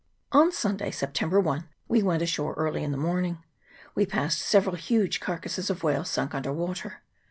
On Sunday, September 1, we went ashore early in the morning. We passed several huge carcases of whales sunk under water.